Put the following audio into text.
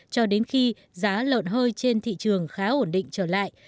cho đến khi giá lợn hơi trên thị trường khá ổn định trở lại